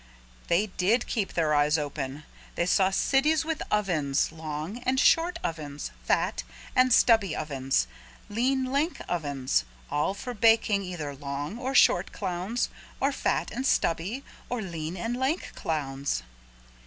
They did keep their eyes open. They saw cities with ovens, long and short ovens, fat stubby ovens, lean lank ovens, all for baking either long or short clowns, or fat and stubby or lean and lank clowns.